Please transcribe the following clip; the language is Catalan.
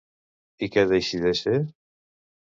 I què decideix fer?